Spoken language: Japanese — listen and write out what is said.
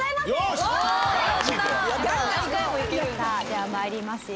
では参りますよ。